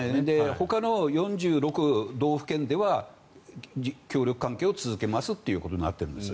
ほかの４６道府県では協力関係を続けますということになっているんです。